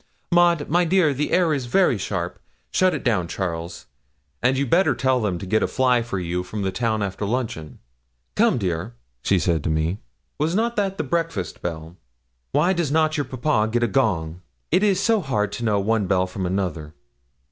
Maud, my dear, the air is very sharp; shut it down, Charles, and you'd better tell them to get a fly for you from the town after luncheon. Come, dear,' she said to me. 'Was not that the breakfast bell? Why does not your papa get a gong? it is so hard to know one bell from another.'